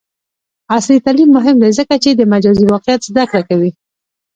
عصري تعلیم مهم دی ځکه چې د مجازی واقعیت زدکړه کوي.